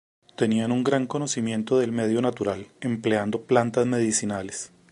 Tenían un gran conocimiento del medio natural, empleando plantas medicinales.